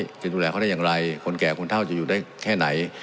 ควายจริงดูแลเขาได้อย่างไรคนแก่ค้าจะอยู่ได้แค่ไหน